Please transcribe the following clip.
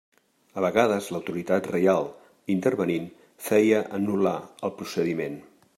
A vegades l'autoritat reial, intervenint, feia anul·lar el procediment.